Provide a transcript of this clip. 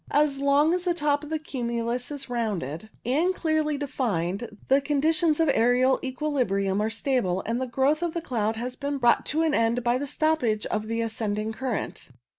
As long as the top of the cumulus is rounded I 3 o UJ a < S" ^ STOPPAGE OF CURRENTS 97 and clearly defined, the conditions of aerial equi librium are stable, and the growth of the cloud has been brought to an end by a stoppage of the ascending current.